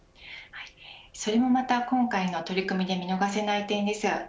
それもまた今回の取り組みで見逃せない点です。